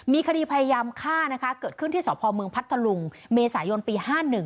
มีคดีพยายามฆ่านะคะเกิดขึ้นที่สพเมืองพัทธลุงเมษายนปี๕๑